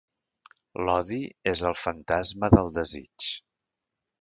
L'odi és el fantasma del desig.